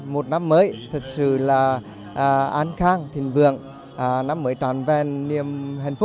một năm mới thật sự là an khang thịnh vượng năm mới tràn vẹn niềm hình